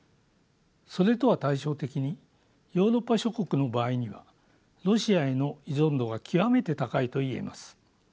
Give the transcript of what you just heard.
それとは対照的にヨーロッパ諸国の場合にはロシアへの依存度が極めて高いと言えます。